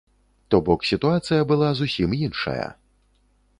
То бок сітуацыя была зусім іншая.